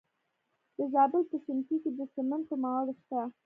د زابل په شنکۍ کې د سمنټو مواد شته.